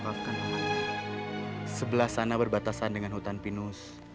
di sana ada batasan dengan pinus